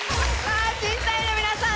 審査員の皆さん